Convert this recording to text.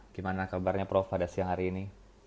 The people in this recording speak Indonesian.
gimana kabarnya prof pada siang hari ini